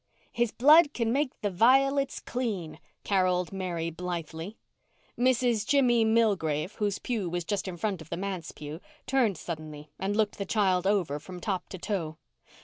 "His blood can make the violets clean," carolled Mary blithely. Mrs. Jimmy Milgrave, whose pew was just in front of the manse pew, turned suddenly and looked the child over from top to toe.